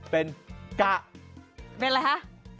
เป็นกะ